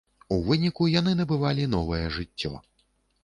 У выніку яны набывалі новае жыццё.